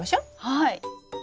はい。